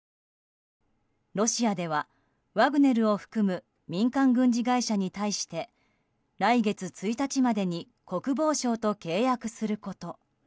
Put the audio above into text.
ロシアではワグネルを含む民間軍事会社に対して来月１日にまでに国防省と契約すること。